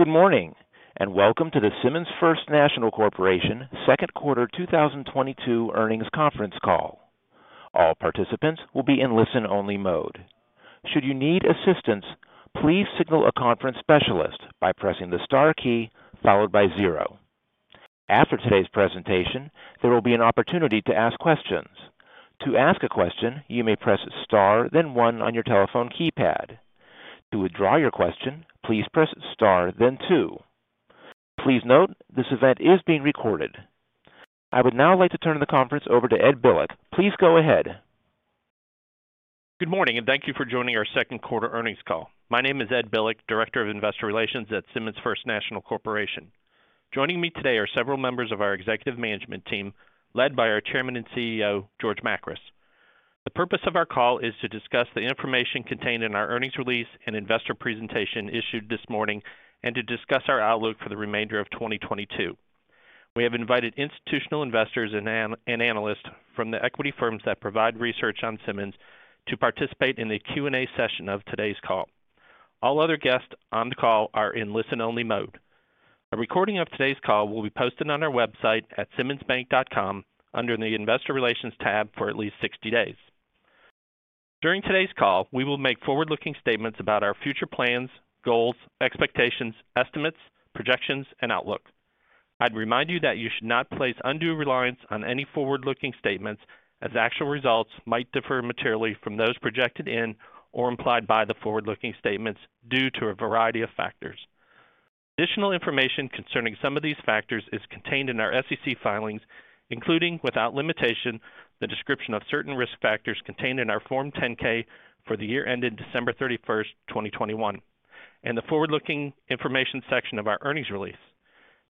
Good morning, and welcome to the Simmons First National Corporation second quarter 2022 earnings conference call. All participants will be in listen-only mode. Should you need assistance, please signal a conference specialist by pressing the star key followed by zero. After today's presentation, there will be an opportunity to ask questions. To ask a question, you may press star then one on your telephone keypad. To withdraw your question, please press star then two. Please note this event is being recorded. I would now like to turn the conference over to Ed Bilek. Please go ahead. Good morning, and thank you for joining our second quarter earnings call. My name is Ed Bilek, Director of Investor Relations at Simmons First National Corporation. Joining me today are several members of our executive management team, led by our Chairman and CEO, George Makris. The purpose of our call is to discuss the information contained in our earnings release and investor presentation issued this morning and to discuss our outlook for the remainder of 2022. We have invited institutional investors and analysts from the equity firms that provide research on Simmons to participate in the Q&A session of today's call. All other guests on the call are in listen-only mode. A recording of today's call will be posted on our website at simmonsbank.com under the Investor Relations tab for at least 60 days. During today's call, we will make forward-looking statements about our future plans, goals, expectations, estimates, projections, and outlook. I'd remind you that you should not place undue reliance on any forward-looking statements as actual results might differ materially from those projected in or implied by the forward-looking statements due to a variety of factors. Additional information concerning some of these factors is contained in our SEC filings, including without limitation, the description of certain risk factors contained in our Form 10-K for the year ended December 31st, 2021, and the forward-looking information section of our earnings release.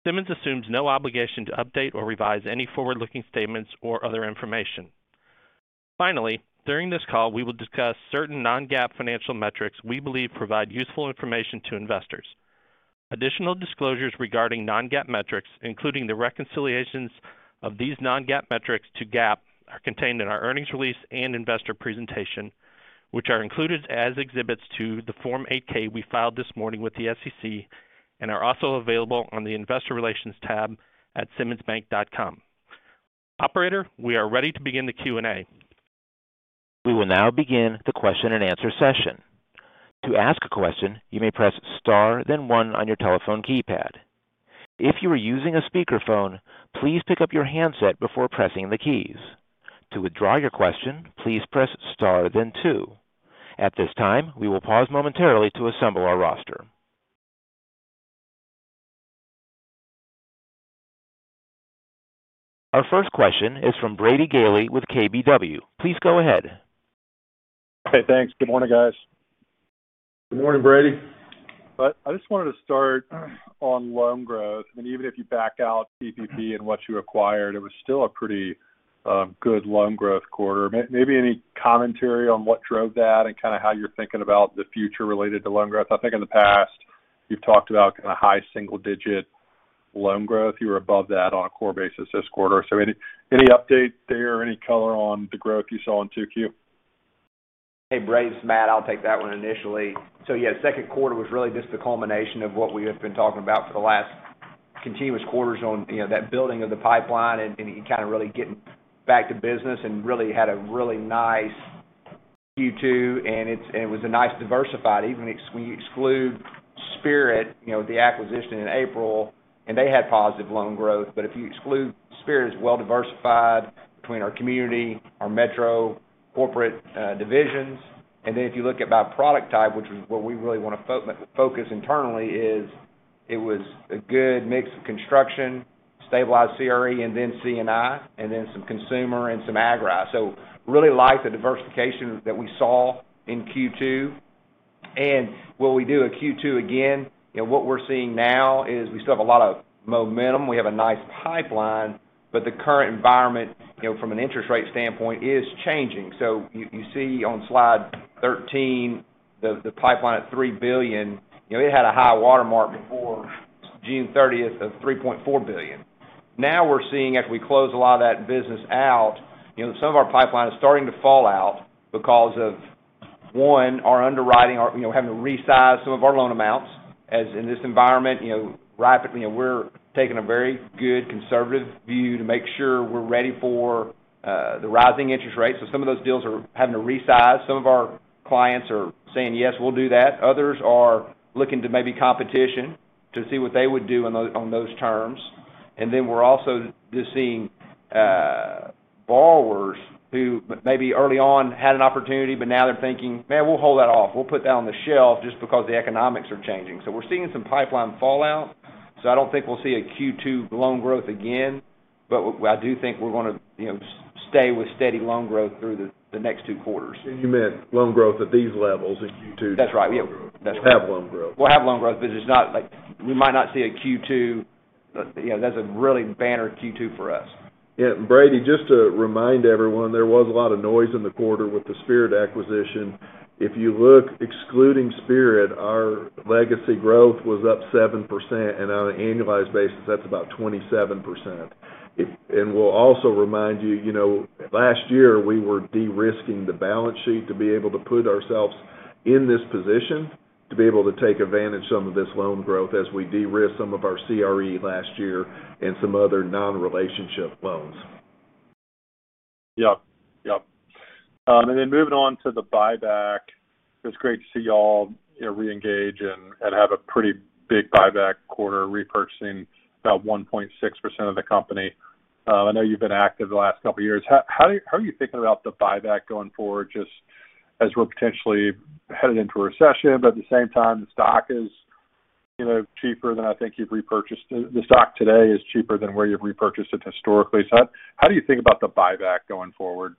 Simmons assumes no obligation to update or revise any forward-looking statements or other information. Finally, during this call, we will discuss certain non-GAAP financial metrics we believe provide useful information to investors. Additional disclosures regarding non-GAAP metrics, including the reconciliations of these non-GAAP metrics to GAAP, are contained in our earnings release and investor presentation, which are included as Exhibits to the Form 8-K we filed this morning with the SEC and are also available on the Investor Relations tab at simmonsbank.com. Operator, we are ready to begin the Q&A. We will now begin the question-and-answer session. To ask a question, you may press star then one on your telephone keypad. If you are using a speakerphone, please pick up your handset before pressing the keys. To withdraw your question, please press star then two. At this time, we will pause momentarily to assemble our roster. Our first question is from Brady Gailey with KBW. Please go ahead. Okay, thanks. Good morning, guys. Good morning, Brady. I just wanted to start on loan growth. I mean, even if you back out PPP and what you acquired, it was still a pretty good loan growth quarter. Maybe any commentary on what drove that and kind of how you're thinking about the future related to loan growth. I think in the past, you've talked about kind of high single-digit loan growth. You were above that on a core basis this quarter. Any update there or any color on the growth you saw in 2Q? Hey, Brady. It's Matt. I'll take that one initially. Yeah, second quarter was really just the culmination of what we have been talking about for the last consecutive quarters, you know, that building of the pipeline and kind of really getting back to business and really had a really nice Q2, and it was nicely diversified. Even if we exclude Spirit, you know, the acquisition in April, and they had positive loan growth. But if you exclude Spirit, it was well diversified between our community, our metro corporate, divisions. Then if you look at by product type, which is what we really wanna focus internally, it was a good mix of construction, stabilized CRE, and then C&I, and then some consumer and some agri. Really like the diversification that we saw in Q2. Will we do a Q2 again? You know, what we're seeing now is we still have a lot of momentum. We have a nice pipeline, but the current environment, you know, from an interest rate standpoint is changing. You see on slide 13, the pipeline at $3 billion, you know, it had a high water mark before June 30th of $3.4 billion. Now we're seeing after we close a lot of that business out, you know, some of our pipeline is starting to fall out because of, one, our underwriting or, you know, having to resize some of our loan amounts as in this environment, you know, we're taking a very good conservative view to make sure we're ready for the rising interest rates. So some of those deals are having to resize. Some of our clients are saying, "Yes, we'll do that." Others are looking to maybe competition to see what they would do on those terms. Then we're also just seeing borrowers who maybe early on had an opportunity, but now they're thinking, "Man, we'll hold that off. We'll put that on the shelf just because the economics are changing." We're seeing some pipeline fallout. I don't think we'll see a Q2 loan growth again. I do think we're gonna, you know, stay with steady loan growth through the next two quarters. You meant loan growth at these levels in Q2? That's right. Yeah. Have loan growth. We'll have loan growth, but it's not like we might not see a Q2, you know, that's a really banner Q2 for us. Yeah. Brady, just to remind everyone, there was a lot of noise in the quarter with the Spirit acquisition. If you look excluding Spirit, our legacy growth was up 7%, and on an annualized basis, that's about 27%. We'll also remind you know, last year, we were de-risking the balance sheet to be able to put ourselves in this position to be able to take advantage some of this loan growth as we de-risk some of our CRE last year and some other non-relationship loans. Yep. Yep. Moving on to the buyback, it's great to see y'all, you know, reengage and have a pretty big buyback quarter repurchasing about 1.6% of the company. I know you've been active the last couple years. How are you thinking about the buyback going forward, just as we're potentially headed into a recession, but at the same time, the stock is, you know, cheaper than I think you've repurchased. The stock today is cheaper than where you've repurchased it historically. How do you think about the buyback going forward?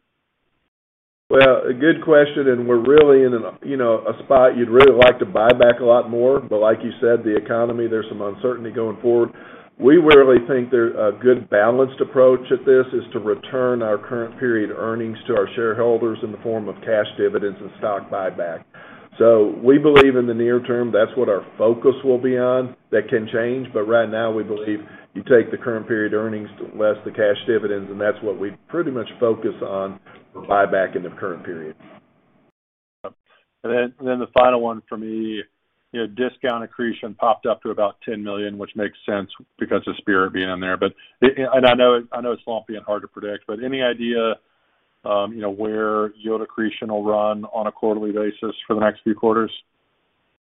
Well, a good question, and we're really in, you know, a spot you'd really like to buy back a lot more. Like you said, the economy, there's some uncertainty going forward. We really think there's a good balanced approach to this, is to return our current period earnings to our shareholders in the form of cash dividends and stock buyback. We believe in the near term, that's what our focus will be on. That can change, but right now, we believe you take the current period earnings less the cash dividends, and that's what we pretty much focus on for buyback in the current period. Then the final one for me, you know, discount accretion popped up to about $10 million, which makes sense because of Spirit being in there. But I know it's lumpy and hard to predict, but any idea, you know, where yield accretion will run on a quarterly basis for the next few quarters?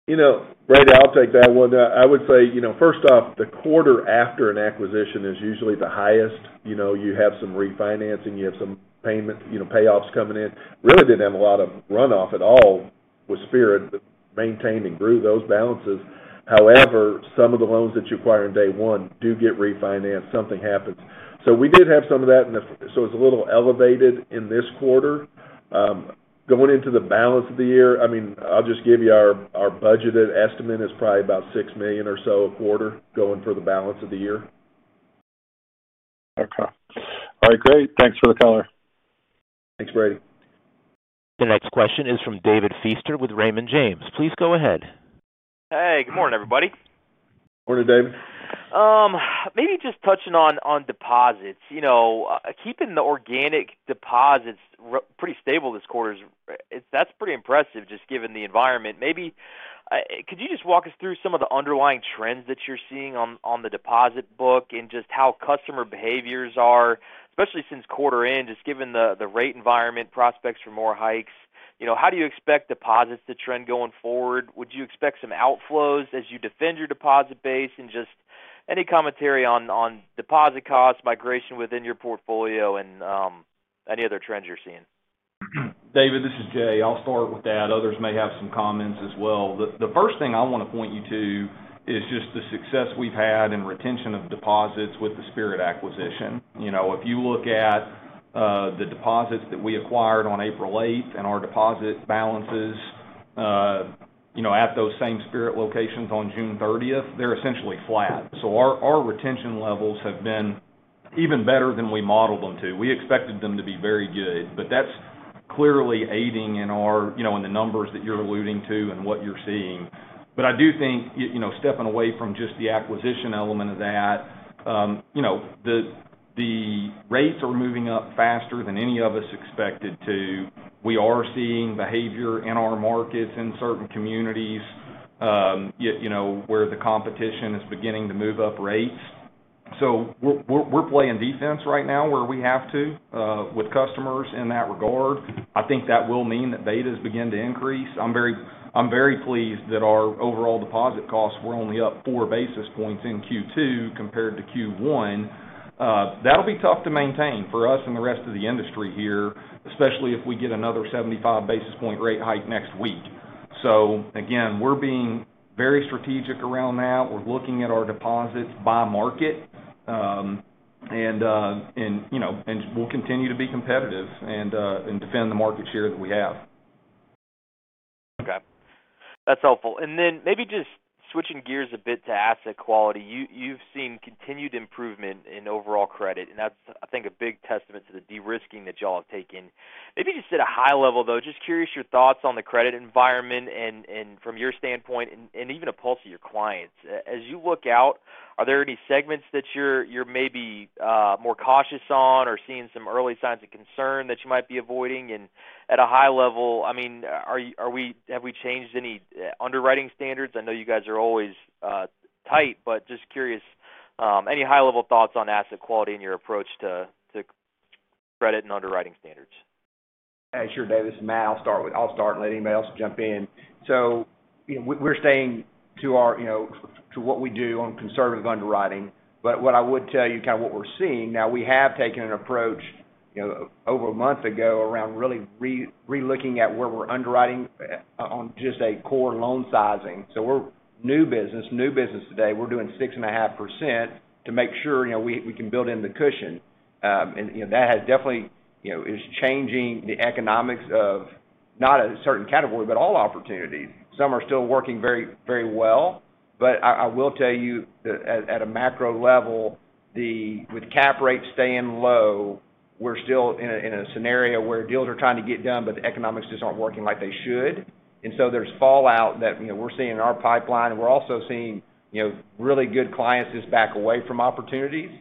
You know, Brady, I'll take that one. I would say, you know, first off, the quarter after an acquisition is usually the highest. You know, you have some refinancing, you have some payment, you know, payoffs coming in. Really didn't have a lot of runoff at all with Spirit, but maintained and grew those balances. However, some of the loans that you acquire on day one do get refinanced. Something happens. So we did have some of that in the. So it's a little elevated in this quarter. Going into the balance of the year, I mean, I'll just give you our budgeted estimate is probably about $6 million or so a quarter going for the balance of the year. Okay. All right, great. Thanks for the color. Thanks, Brady. The next question is from David Feaster with Raymond James. Please go ahead. Hey, good morning, everybody. Morning, David. Maybe just touching on deposits. You know, keeping the organic deposits pretty stable this quarter is that's pretty impressive, just given the environment. Maybe could you just walk us through some of the underlying trends that you're seeing on the deposit book and just how customer behaviors are, especially since quarter end, just given the rate environment prospects for more hikes. You know, how do you expect deposits to trend going forward? Would you expect some outflows as you defend your deposit base? And just any commentary on deposit costs, migration within your portfolio, and any other trends you're seeing? David, this is Jay. I'll start with that. Others may have some comments as well. The first thing I wanna point you to is just the success we've had in retention of deposits with the Spirit acquisition. You know, if you look at the deposits that we acquired on April 8th and our deposit balances, you know, at those same Spirit locations on June thirtieth, they're essentially flat. So our retention levels have been even better than we modeled them to. We expected them to be very good, but that's clearly aiding in our, you know, in the numbers that you're alluding to and what you're seeing. But I do think, you know, stepping away from just the acquisition element of that, you know, the rates are moving up faster than any of us expected to. We are seeing behavior in our markets in certain communities, yet, you know, where the competition is beginning to move up rates. We're playing defense right now where we have to with customers in that regard. I think that will mean that betas begin to increase. I'm very pleased that our overall deposit costs were only up four basis points in Q2 compared to Q1. That'll be tough to maintain for us and the rest of the industry here, especially if we get another 75 basis point rate hike next week. We're being very strategic around that. We're looking at our deposits by market, and we'll continue to be competitive and defend the market share that we have. Okay. That's helpful. Maybe just switching gears a bit to asset quality. You've seen continued improvement in overall credit, and that's, I think, a big testament to the de-risking that y'all have taken. Maybe just at a high level, though, just curious your thoughts on the credit environment and from your standpoint and even a pulse of your clients. As you look out, are there any segments that you're maybe more cautious on or seeing some early signs of concern that you might be avoiding? At a high level, I mean, have we changed any underwriting standards? I know you guys are always tight, but just curious. Any high-level thoughts on asset quality and your approach to credit and underwriting standards? Sure, David, this is Matt. I'll start and let anybody else jump in. We're staying true to our, you know, to what we do on conservative underwriting. But what I would tell you, kind of what we're seeing now, we have taken an approach, you know, over a month ago around really relooking at where we're underwriting on just a core loan sizing. We're new business today, we're doing 6.5% to make sure, you know, we can build in the cushion. And, you know, that has definitely, you know, is changing the economics of not a certain category, but all opportunities. Some are still working very, very well. I will tell you that at a macro level, with cap rates staying low, we're still in a scenario where deals are trying to get done, but the economics just aren't working like they should. There's fallout that, you know, we're seeing in our pipeline, and we're also seeing, you know, really good clients just back away from opportunities.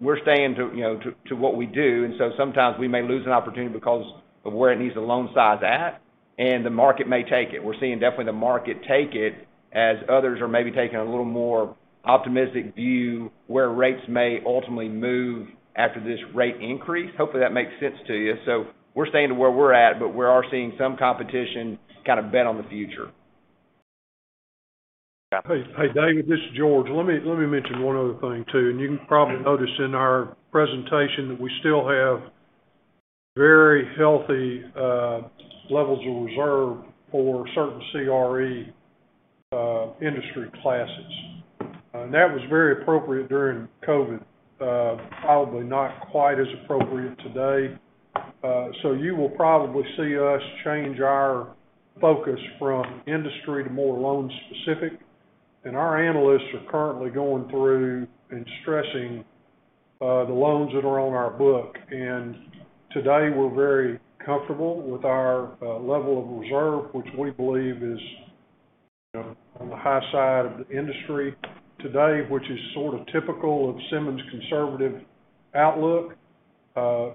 We're staying true to, you know, what we do. Sometimes we may lose an opportunity because of where it needs a loan size at, and the market may take it. We're seeing definitely the market take it as others are maybe taking a little more optimistic view where rates may ultimately move after this rate increase. Hopefully that makes sense to you. We're staying true to where we're at, but we are seeing some competition kind of bet on the future. Hey, David, this is George. Let me mention one other thing, too. You can probably notice in our presentation that we still have very healthy levels of reserve for certain CRE industry classes. That was very appropriate during COVID, probably not quite as appropriate today. You will probably see us change our focus from industry to more loan-specific. Our analysts are currently going through and stressing the loans that are on our book. Today, we're very comfortable with our level of reserve, which we believe is on the high side of the industry today, which is sort of typical of Simmons' conservative outlook. The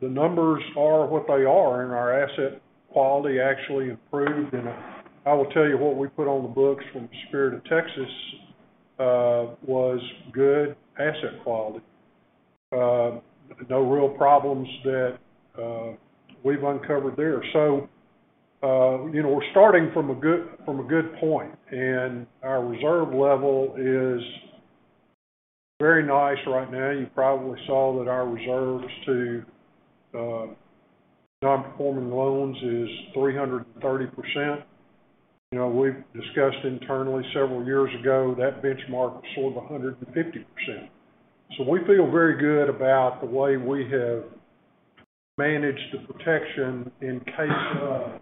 numbers are what they are, and our asset quality actually improved. I will tell you what we put on the books from Spirit of Texas was good asset quality. No real problems that we've uncovered there. You know, we're starting from a good point, and our reserve level is very nice right now. You probably saw that our reserves to non-performing loans is 330%. You know, we've discussed internally several years ago, that benchmark was sort of 150%. We feel very good about the way we have managed the protection in case of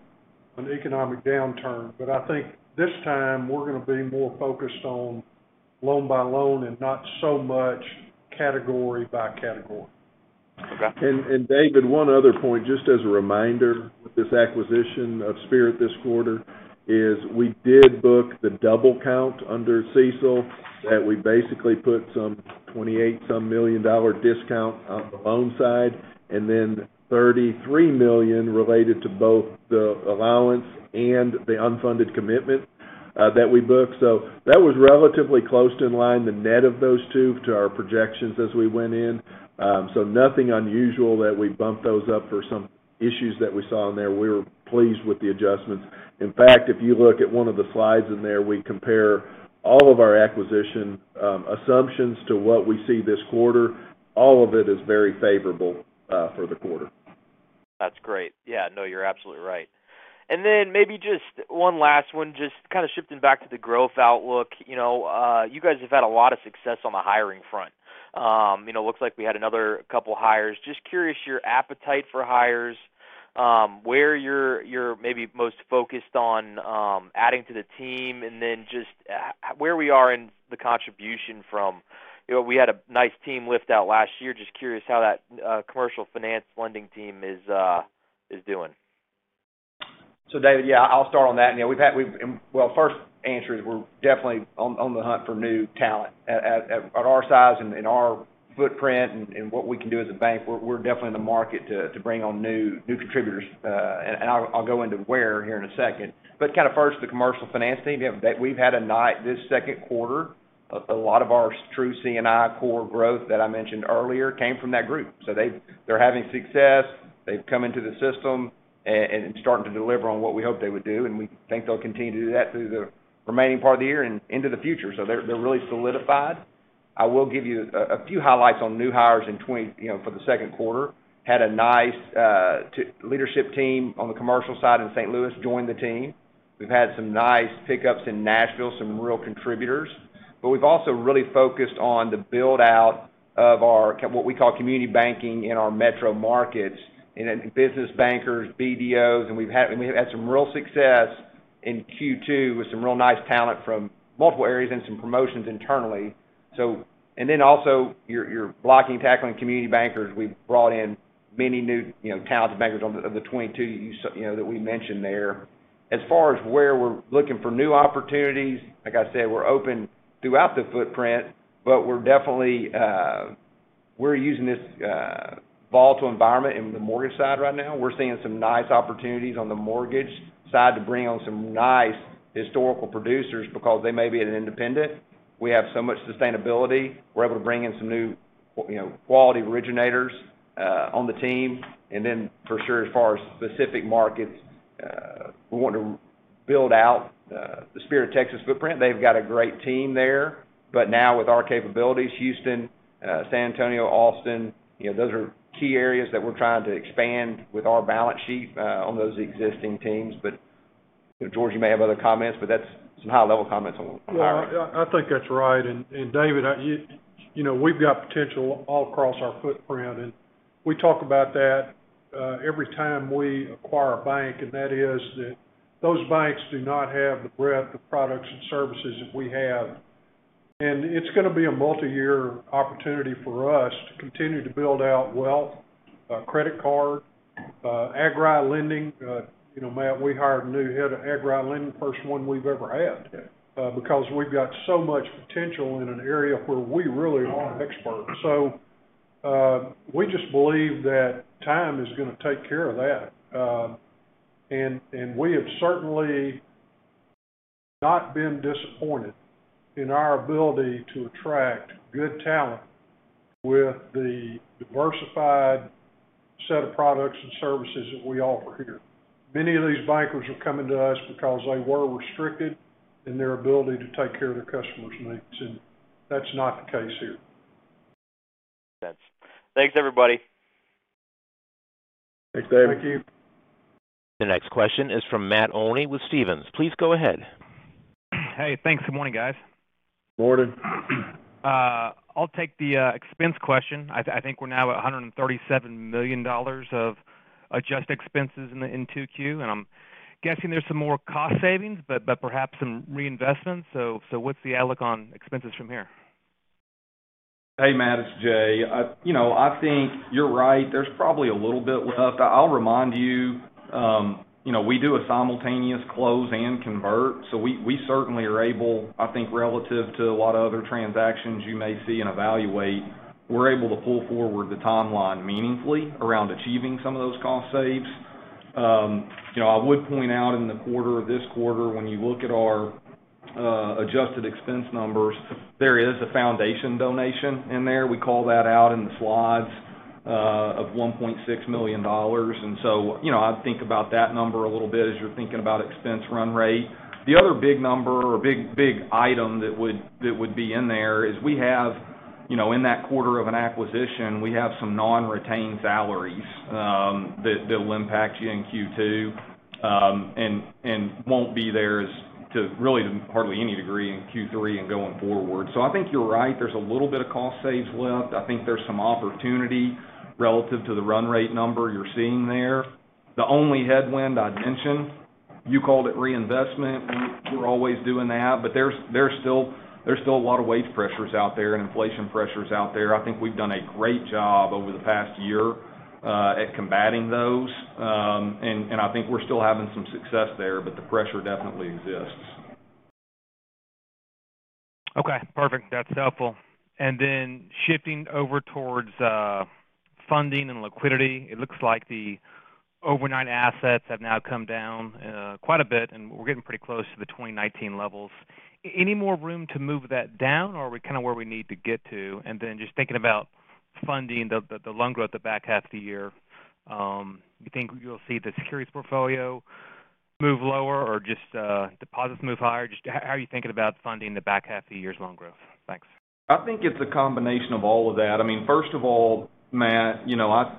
an economic downturn. I think this time, we're going to be more focused on loan by loan and not so much category by category. Okay. David, one other point, just as a reminder, with this acquisition of Spirit this quarter, is we did book the double count under CECL, that we basically put some $28 million discount on the loan side, and then $33 million related to both the allowance and the unfunded commitment, that we booked. That was relatively close in line, the net of those two to our projections as we went in. Nothing unusual that we bumped those up for some issues that we saw in there. We were pleased with the adjustments. In fact, if you look at one of the slides in there, we compare all of our acquisition assumptions to what we see this quarter. All of it is very favorable for the quarter. That's great. Yeah, no, you're absolutely right. Then maybe just one last one, just kind of shifting back to the growth outlook. You know, you guys have had a lot of success on the hiring front. You know, looks like we had another couple hires. Just curious, your appetite for hires, where you're maybe most focused on adding to the team and then just where we are in the contribution from. You know, we had a nice team lift out last year. Just curious how that commercial finance lending team is doing. David, yeah, I'll start on that. You know, Well, first answer is we're definitely on the hunt for new talent at our size and our footprint and what we can do as a bank. We're definitely in the market to bring on new contributors. And I'll go into where here in a second. Kind of first, the commercial finance team, we've had in this second quarter a lot of our true C&I core growth that I mentioned earlier came from that group. They're having success. They've come into the system and it's starting to deliver on what we hoped they would do, and we think they'll continue to do that through the remaining part of the year and into the future. They're really solidified. I will give you a few highlights on new hires, you know, for the second quarter. Had a nice leadership team on the commercial side in St. Louis join the team. We've had some nice pickups in Nashville, some real contributors. We've also really focused on the build-out of our what we call community banking in our metro markets, and then business bankers, BDOs, and we have had some real success in Q2 with some real nice talent from multiple areas and some promotions internally. And then also our blocking and tackling community bankers. We've brought in many new, you know, talented bankers one of the 22 you know, that we mentioned there. As far as where we're looking for new opportunities, like I said, we're open throughout the footprint, but we're definitely we're using this volatile environment in the mortgage side right now. We're seeing some nice opportunities on the mortgage side to bring on some nice historical producers because they may be an independent. We have so much sustainability. We're able to bring in some new, you know, quality originators on the team. For sure, as far as specific markets, we want to build out the Spirit of Texas footprint. They've got a great team there. Now with our capabilities, Houston, San Antonio, Austin, you know, those are key areas that we're trying to expand with our balance sheet on those existing teams. George, you may have other comments, but that's some high-level comments on hiring. Yeah, I think that's right. David, you know, we've got potential all across our footprint, and we talk about that every time we acquire a bank, and that is those banks do not have the breadth of products and services that we have. It's going to be a multi-year opportunity for us to continue to build out wealth, credit card. Agri lending, you know, Matt, we hired a new head of agri lending, first one we've ever had, because we've got so much potential in an area where we really aren't experts. We just believe that time is going to take care of that. We have certainly not been disappointed in our ability to attract good talent with the diversified set of products and services that we offer here. Many of these bankers are coming to us because they were restricted in their ability to take care of their customers' needs, and that's not the case here. Makes sense. Thanks, everybody. Thanks, David. Thank you. The next question is from Matt Olney with Stephens. Please go ahead. Hey, thanks. Good morning, guys. Morning. I'll take the expense question. I think we're now at $137 million of adjusted expenses in the 2Q, and I'm guessing there's some more cost savings, but perhaps some reinvestment. What's the outlook on expenses from here? Hey, Matt, it's Jay. You know, I think you're right. There's probably a little bit left. I'll remind you know, we do a simultaneous close and convert, so we certainly are able, I think relative to a lot of other transactions you may see and evaluate, we're able to pull forward the timeline meaningfully around achieving some of those cost saves. You know, I would point out in the quarter, this quarter, when you look at our adjusted expense numbers, there is a foundation donation in there. We call that out in the slides of $1.6 million. You know, I'd think about that number a little bit as you're thinking about expense run rate. The other big number or big, big item that would be in there is we have in that quarter of an acquisition, we have some non-retained salaries that'll impact you in Q2 and won't be there as to really to hardly any degree in Q3 and going forward. I think you're right. There's a little bit of cost saves left. I think there's some opportunity relative to the run rate number you're seeing there. The only headwind I'd mention, you called it reinvestment. We're always doing that. But there's still a lot of wage pressures out there and inflation pressures out there. I think we've done a great job over the past year at combating those. And I think we're still having some success there, but the pressure definitely exists. Okay, perfect. That's helpful. Then shifting over towards funding and liquidity, it looks like the overnight assets have now come down quite a bit, and we're getting pretty close to the 2019 levels. Any more room to move that down, or are we kind of where we need to get to? Then just thinking about funding the loan growth the back half of the year, do you think you'll see the securities portfolio move lower or just deposits move higher? Just how are you thinking about funding the back half of the year's loan growth? Thanks. I think it's a combination of all of that. I mean, first of all, Matt, you know, I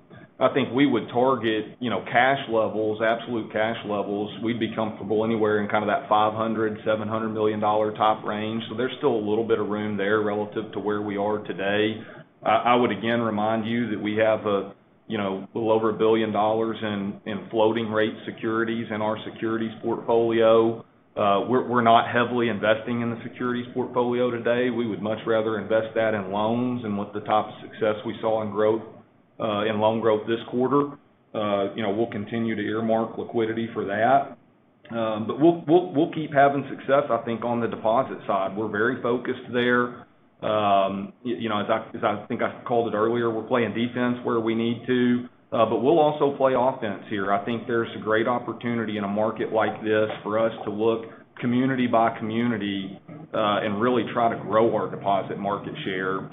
think we would target, you know, cash levels, absolute cash levels. We'd be comfortable anywhere in kind of that $500-700 million top range. There's still a little bit of room there relative to where we are today. I would again remind you that we have a little over $1 billion in floating rate securities in our securities portfolio. We're not heavily investing in the securities portfolio today. We would much rather invest that in loans and with the type of success we saw in growth in loan growth this quarter. You know, we'll continue to earmark liquidity for that. We'll keep having success, I think, on the deposit side. We're very focused there. You know, as I think I called it earlier, we're playing defense where we need to, but we'll also play offense here. I think there's a great opportunity in a market like this for us to look community by community and really try to grow our deposit market share.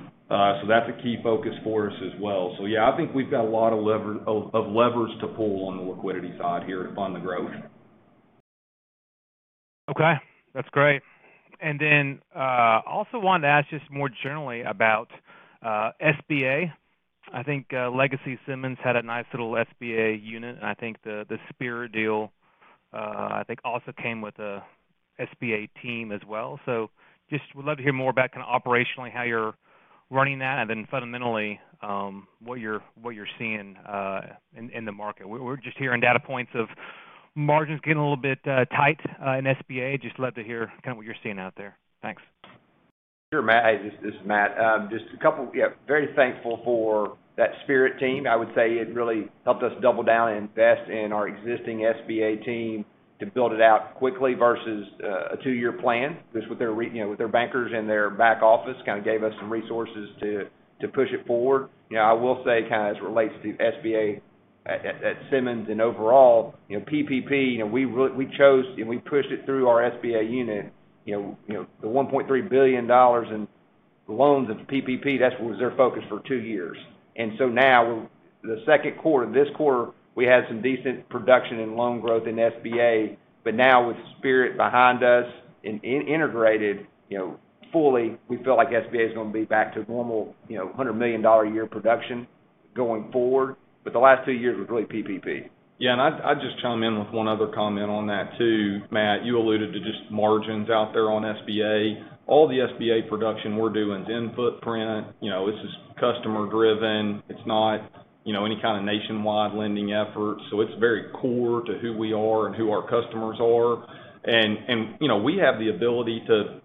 That's a key focus for us as well. Yeah, I think we've got a lot of levers to pull on the liquidity side here to fund the growth. Okay, that's great. Then also wanted to ask just more generally about SBA. I think Legacy Simmons had a nice little SBA unit, and I think the Spirit deal also came with a SBA team as well. Just would love to hear more about kind of operationally how you're running that and then fundamentally what you're seeing in the market. We're just hearing data points of margins getting a little bit tight in SBA. Just love to hear kind of what you're seeing out there. Thanks. Sure, Matt. This is Matt. Just a couple. Yeah, very thankful for that Spirit team. I would say it really helped us double down, invest in our existing SBA team to build it out quickly versus a two-year plan. Just with their you know, with their bankers and their back office kind of gave us some resources to push it forward. You know, I will say kind of as it relates to SBA at Simmons and overall, you know, PPP, you know, we chose and we pushed it through our SBA unit. You know, the $1.3 billion in loans of PPP, that was their focus for two years. Now the second quarter, this quarter, we had some decent production and loan growth in SBA. now with Spirit behind us and integrated, you know, fully, we feel like SBA is going to be back to normal, you know, $100 million a year production going forward. The last two years was really PPP. Yeah. I'd just chime in with one other comment on that too. Matt, you alluded to just margins out there on SBA. All the SBA production we're doing is in footprint. You know, this is customer-driven. It's not, you know, any kind of nationwide lending effort. It's very core to who we are and who our customers are. You know, we have the ability to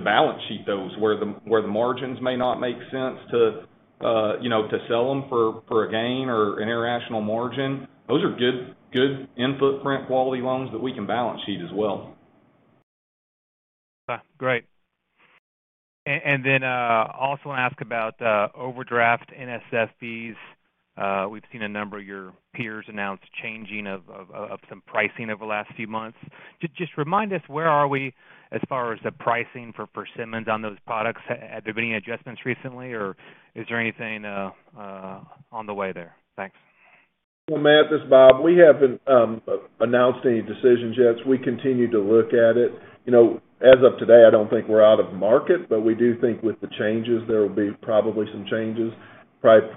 balance sheet those where the margins may not make sense to, you know, to sell them for a gain or an irrational margin. Those are good in-footprint quality loans that we can balance sheet as well. Great. Also ask about overdraft NSF fees. We've seen a number of your peers announce changing of some pricing over the last few months. Just remind us, where are we as far as the pricing for Simmons on those products? Have there been any adjustments recently, or is there anything on the way there? Thanks. Well, Matt, this is Bob. We haven't announced any decisions yet, so we continue to look at it. You know, as of today, I don't think we're out of market, but we do think with the changes, there will be probably some changes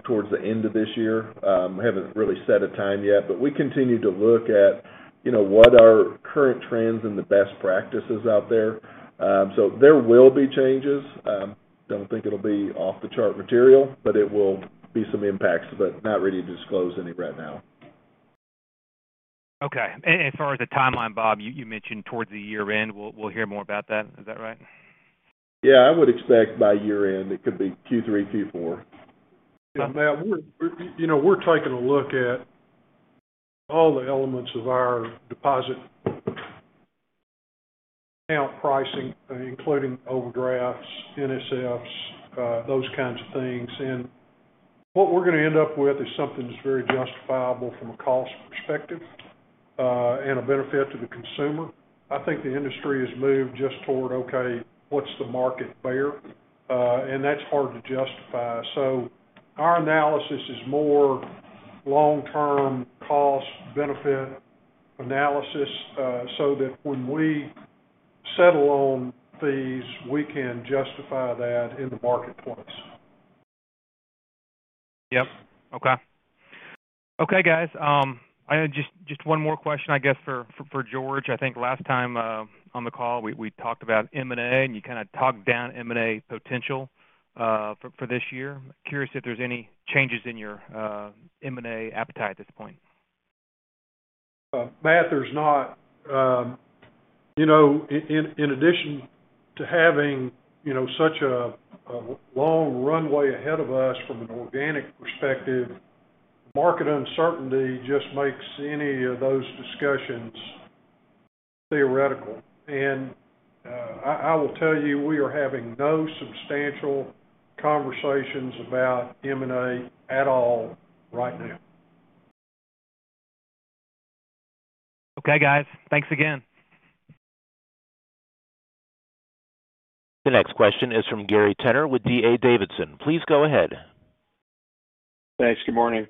towards the end of this year. We haven't really set a time yet, but we continue to look at, you know, what are current trends and the best practices out there. So there will be changes. Don't think it'll be off-the-chart material, but it will be some impacts, but not ready to disclose any right now. Okay. As far as the timeline, Bob, you mentioned towards the year-end, we'll hear more about that. Is that right? Yeah, I would expect by year-end. It could be Q3, Q4. Yeah, Matt, you know, we're taking a look at all the elements of our deposit account pricing, including overdrafts, NSFs, those kinds of things. What we're gonna end up with is something that's very justifiable from a cost perspective, and a benefit to the consumer. I think the industry has moved just toward what the market will bear. That's hard to justify. Our analysis is more long-term cost-benefit analysis, so that when we settle on fees, we can justify that in the marketplace. Yep. Okay. Okay, guys, I have just one more question, I guess for George. I think last time on the call, we talked about M&A, and you kind of talked down M&A potential for this year. Curious if there's any changes in your M&A appetite at this point. Matt, there's not. You know, in addition to having, you know, such a long runway ahead of us from an organic perspective, market uncertainty just makes any of those discussions theoretical. I will tell you, we are having no substantial conversations about M&A at all right now. Okay, guys. Thanks again. The next question is from Gary Tenner with D.A. Davidson. Please go ahead. Thanks. Good morning.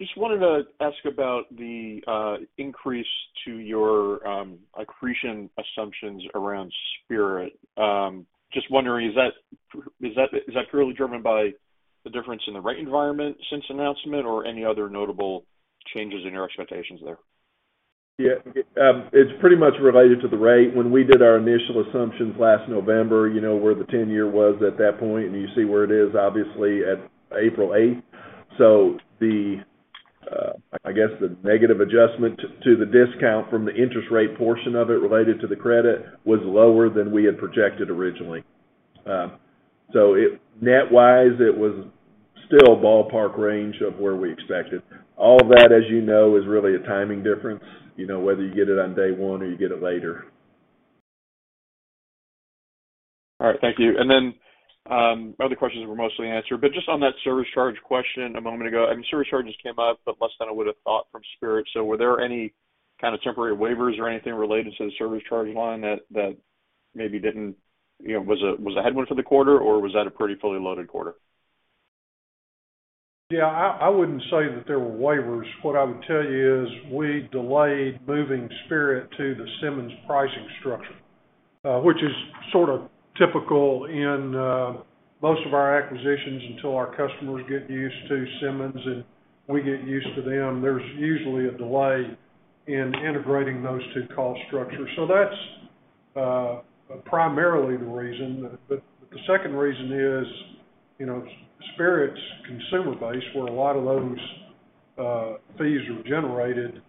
Just wanted to ask about the increase to your accretion assumptions around Spirit. Just wondering, is that purely driven by the difference in the rate environment since announcement or any other notable changes in your expectations there? Yeah. It's pretty much related to the rate. When we did our initial assumptions last November, you know, where the 10-year was at that point, and you see where it is, obviously at April 8. I guess the negative adjustment to the discount from the interest rate portion of it related to the credit was lower than we had projected originally. Net wise, it was still ballpark range of where we expected. All that, as you know, is really a timing difference, you know, whether you get it on day one or you get it later. All right, thank you. Then other questions were mostly answered. Just on that service charge question a moment ago, I mean, service charges came up, but less than I would have thought from Spirit. Were there any kind of temporary waivers or anything related to the service charge line that maybe didn't, you know, was a headwind for the quarter, or was that a pretty fully loaded quarter? Yeah. I wouldn't say that there were waivers. What I would tell you is we delayed moving Spirit to the Simmons pricing structure, which is sort of typical in most of our acquisitions until our customers get used to Simmons and we get used to them. There's usually a delay in integrating those two cost structures. That's primarily the reason. The second reason is, you know, Spirit's consumer base, where a lot of those fees were generated,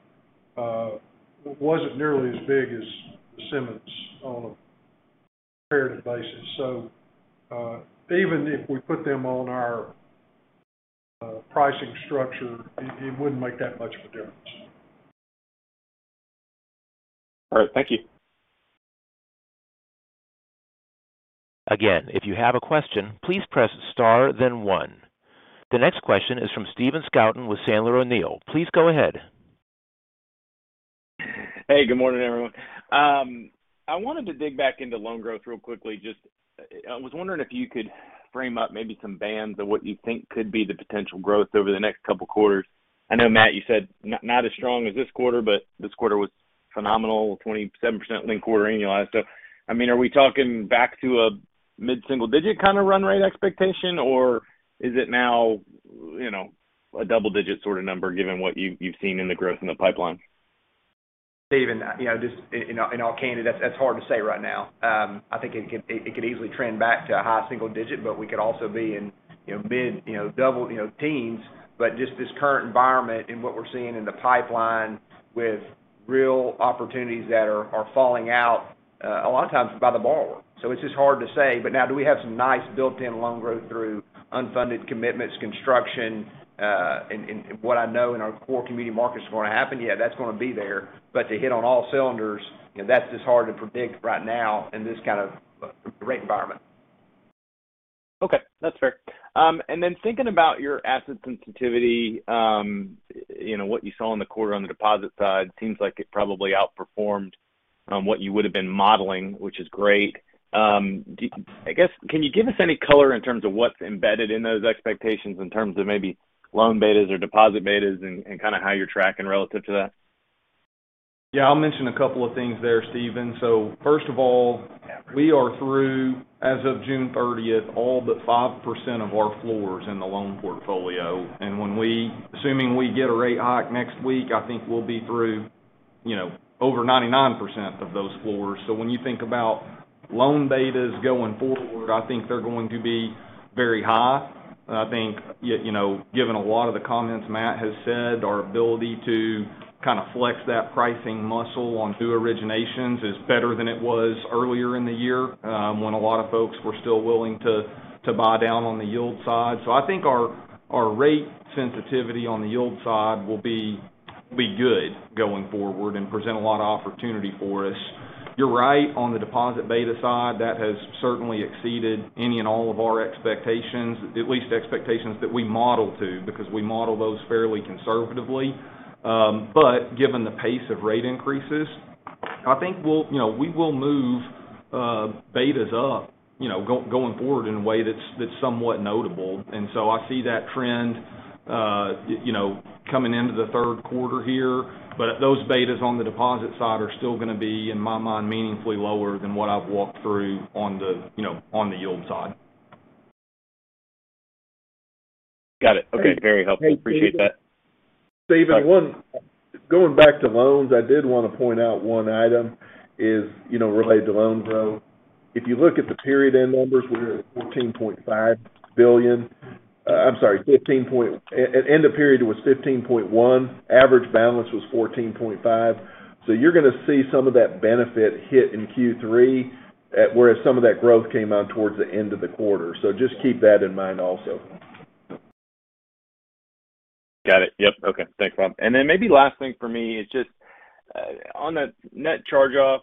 wasn't nearly as big as Simmons on a comparative basis. Even if we put them on our pricing structure, it wouldn't make that much of a difference. All right. Thank you. Again, if you have a question, please press star then one. The next question is from Stephen Scouten with Piper Sandler. Please go ahead. Hey, good morning, everyone. I wanted to dig back into loan growth real quickly. Just, I was wondering if you could frame up maybe some bands of what you think could be the potential growth over the next couple quarters. I know, Matt, you said not as strong as this quarter, but this quarter was phenomenal, 27% linked-quarter annualized. I mean, are we talking back to a mid-single digit kind of run rate expectation, or is it now, you know, a double-digit sort of number given what you've seen in the growth in the pipeline? Stephen, you know, just in all candidness, that's hard to say right now. I think it could easily trend back to a high single digit, but we could also be in, you know, mid, you know, double, you know, teens. Just this current environment and what we're seeing in the pipeline with real opportunities that are falling out, a lot of times by the borrower. It's just hard to say. Now, do we have some nice built-in loan growth through Unfunded commitments, construction, and what I know in our core community markets is gonna happen. Yeah, that's gonna be there. To hit on all cylinders, you know, that's just hard to predict right now in this kind of rate environment. Okay, that's fair. Thinking about your asset sensitivity, you know, what you saw in the quarter on the deposit side, seems like it probably outperformed on what you would have been modeling, which is great. I guess, can you give us any color in terms of what's embedded in those expectations in terms of maybe loan betas or deposit betas and kinda how you're tracking relative to that? Yeah, I'll mention a couple of things there, Stephen. First of all, we are through, as of June thirtieth, all but 5% of our floors in the loan portfolio. Assuming we get a rate hike next week, I think we'll be through, you know, over 99% of those floors. When you think about loan betas going forward, I think they're going to be very high. I think you know, given a lot of the comments Matt has said, our ability to kind of flex that pricing muscle on new originations is better than it was earlier in the year, when a lot of folks were still willing to buy down on the yield side. I think our rate sensitivity on the yield side will be good going forward and present a lot of opportunity for us. You're right on the deposit beta side. That has certainly exceeded any and all of our expectations. At least expectations that we model to, because we model those fairly conservatively. But given the pace of rate increases, I think we'll, you know, we will move betas up, you know, going forward in a way that's somewhat notable. I see that trend, you know, coming into the third quarter here. Those betas on the deposit side are still gonna be, in my mind, meaningfully lower than what I've walked through on the, you know, on the yield side. Got it. Okay. Very helpful. Appreciate that. Stephen, going back to loans, I did wanna point out one item is, you know, related to loan growth. If you look at the period-end numbers, we're at $14.5 billion. At end of period, it was $15.1 billion. Average balance was $14.5 billion. You're gonna see some of that benefit hit in Q3, whereas some of that growth came out towards the end of the quarter. Just keep that in mind also. Got it. Yep. Okay. Thanks, Rob. And then maybe last thing for me is just on the net charge-off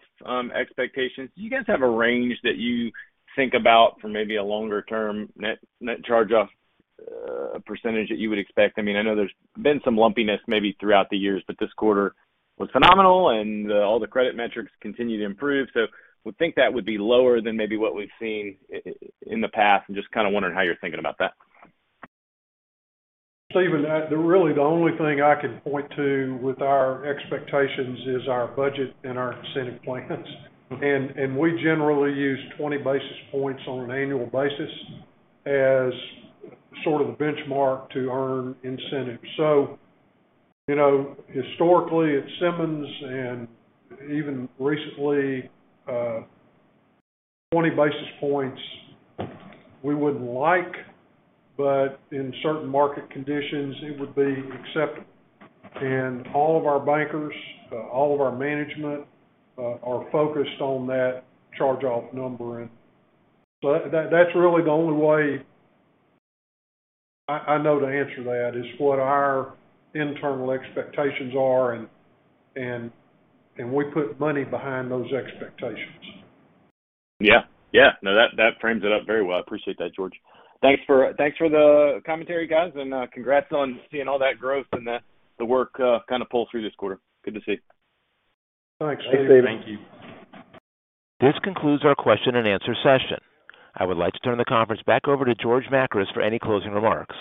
expectations, do you guys have a range that you think about for maybe a longer-term net charge-off percentage that you would expect? I mean, I know there's been some lumpiness maybe throughout the years, but this quarter was phenomenal and all the credit metrics continue to improve. Would think that would be lower than maybe what we've seen in the past. I'm just kinda wondering how you're thinking about that. Stephen, the really, the only thing I can point to with our expectations is our budget and our incentive plans. We generally use 20 basis points on an annual basis as sort of the benchmark to earn incentives. You know, historically at Simmons and even recently, 20 basis points we would like, but in certain market conditions, it would be acceptable. All of our bankers, all of our management are focused on that charge-off number. That, that's really the only way I know to answer that, is what our internal expectations are, and we put money behind those expectations. Yeah. Yeah. No, that frames it up very well. I appreciate that, George. Thanks for the commentary, guys, and congrats on seeing all that growth and the work kind of pull through this quarter. Good to see. Thanks. Thank you. This concludes our question and answer session. I would like to turn the conference back over to George Makris for any closing remarks.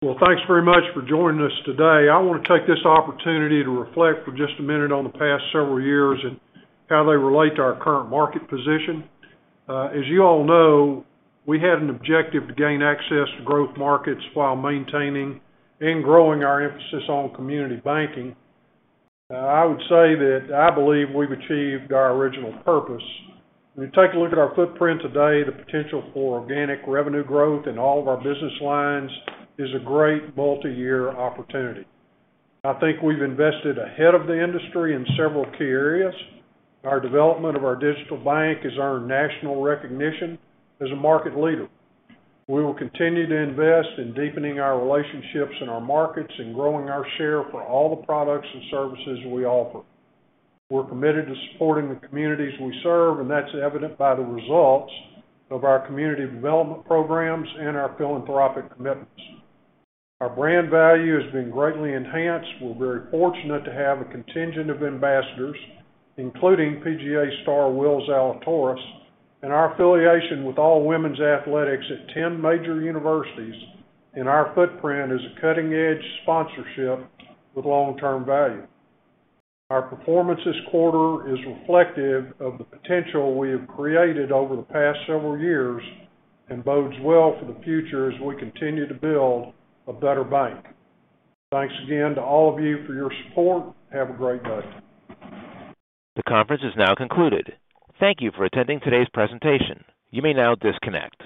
Well, thanks very much for joining us today. I want to take this opportunity to reflect for just a minute on the past several years and how they relate to our current market position. As you all know, we had an objective to gain access to growth markets while maintaining and growing our emphasis on community banking. I would say that I believe we've achieved our original purpose. When you take a look at our footprint today, the potential for organic revenue growth in all of our business lines is a great multi-year opportunity. I think we've invested ahead of the industry in several key areas. Our development of our digital bank has earned national recognition as a market leader. We will continue to invest in deepening our relationships in our markets and growing our share for all the products and services we offer. We're committed to supporting the communities we serve, and that's evident by the results of our community development programs and our philanthropic commitments. Our brand value has been greatly enhanced. We're very fortunate to have a contingent of ambassadors, including PGA star Will Zalatoris, and our affiliation with all women's athletics at 10 major universities, and our footprint is a cutting-edge sponsorship with long-term value. Our performance this quarter is reflective of the potential we have created over the past several years and bodes well for the future as we continue to build a better bank. Thanks again to all of you for your support. Have a great day. The conference is now concluded. Thank you for attending today's presentation. You may now disconnect.